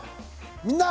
「みんな！